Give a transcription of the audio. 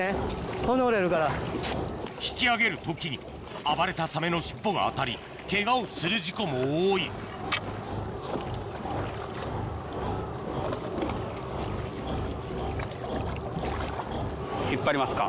引き上げる時に暴れたサメの尻尾が当たりケガをする事故も多い引っ張りますか。